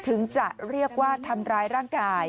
ตำรวจบอกว่าแค่ผลักไม่ถือว่าเป็นการทำร้ายร่างกาย